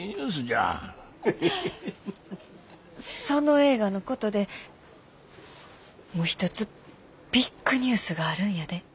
その映画のことでもう一つビッグニュースがあるんやで。